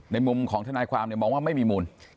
มุมของทนายความมองว่าไม่มีมูล